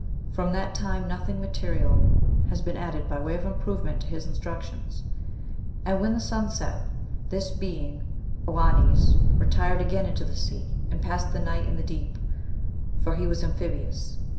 From that time nothing material has been added by way of improvement to his instructions. And when the sun set, this being, Oannes, retired again into the sea, and passed the night in the deep, for he was amphibious.